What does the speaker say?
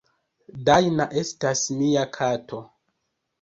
"Dajna estas mia kato.